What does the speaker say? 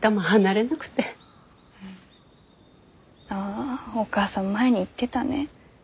ああお母さん前に言ってたね。